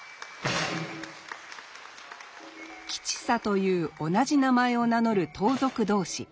吉三という同じ名前を名乗る盗賊同士。